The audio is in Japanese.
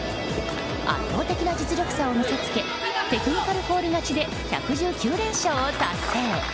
圧倒的な実力差を見せつけテクニカルフォール勝ちで１１９連勝を達成。